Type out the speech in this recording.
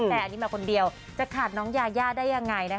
แต่อันนี้มาคนเดียวจะขาดน้องยายาได้ยังไงนะคะ